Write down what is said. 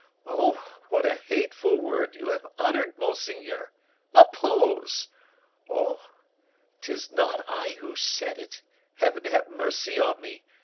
Oh, what a hateful word you have uttered, monseigneur. Oppose! Oh, 'tis not I who said it, Heaven have mercy on me.